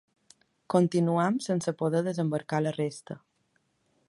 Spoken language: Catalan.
Continuem sense poder desembarcar la resta.